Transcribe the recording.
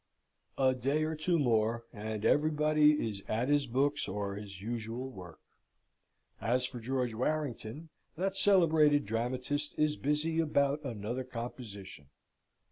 A day or two more, and everybody is at his books or his usual work. As for George Warrington, that celebrated dramatist is busy about another composition.